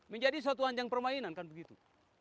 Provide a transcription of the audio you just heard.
menjadi suatu anjang permainan kan begitu